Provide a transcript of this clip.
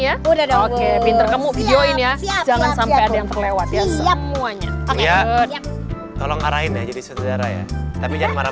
hai tapi jangan marah marah